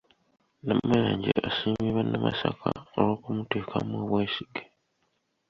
Namayanja asiimye bannamasaka olw’okumuteekamu obwesige.